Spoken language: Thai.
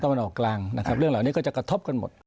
วันออกกลางนะครับเรื่องเหล่านี้ก็จะกระทบกันหมด